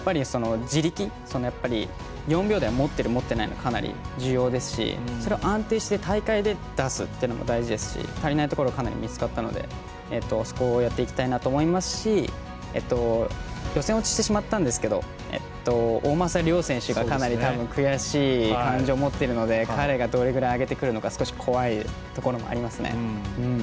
４秒台持っている持っていないというのも、かなり重要ですしそれを安定して大会で出すのも大事ですし、足りないところかなり見つかったのでそこをやっていきたいと思いますし予選落ちしてしまったんですが大政涼選手がかなり、多分悔しい感情を持っているので彼がどれぐらい上げてくるのか少し怖いところもありますね。